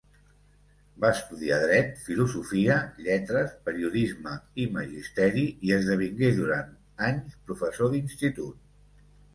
Va estudiar Dret, Filosofia, lletres, Periodisme i Magisteri–, i esdevingué durant anys professor d'institut.